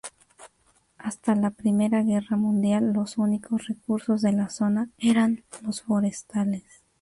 Hasta la Primera Guerra Mundial, los únicos recursos de la zona eran los forestales.